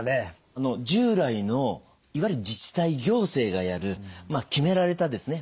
従来のいわゆる自治体行政がやる決められたですね